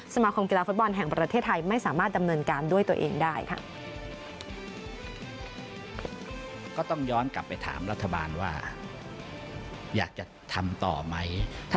สมาคมกีฬาฟุตบอลแห่งประเทศไทยไม่สามารถดำเนินการด้วยตัวเองได้ค่ะ